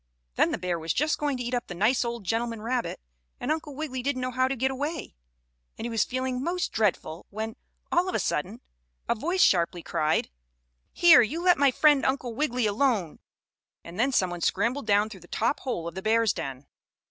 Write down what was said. Then the bear was just going to eat up the nice old gentleman rabbit, and Uncle Wiggily didn't know how to get away, and he was feeling most dreadful, when, all of a sudden, a voice sharply cried: "Here, you let my friend Uncle Wiggily alone," and then some one scrambled down through the top hole of the bear's den.